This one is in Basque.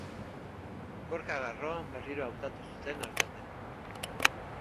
Gorka Garro berriro hautatu zuten alkate.